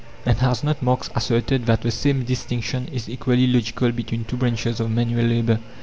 And has not Marx asserted that the same distinction is equally logical between two branches of manual labour?